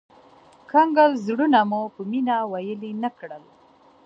کنګل زړونه مو په مينه ويلي نه کړل